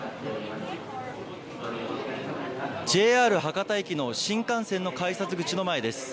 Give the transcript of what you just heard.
ＪＲ博多駅の新幹線の改札口の前です。